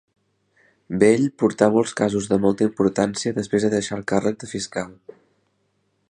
Bell portà molts casos de molta importància després de deixar el càrrec de Fiscal.